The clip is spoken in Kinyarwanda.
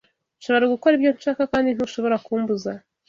Nshobora gukora ibyo nshaka kandi ntushobora kumbuza